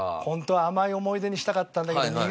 本当は甘い思い出にしたかったんだけど。